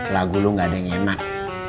lagu lu gak ada yang enak